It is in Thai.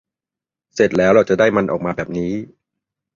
เสร็จแล้ว เราจะได้มันออกมาแบบนี้